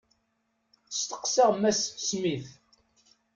Steqseɣ Mass Smith.